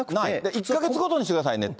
１か月ごとにしてくださいねって。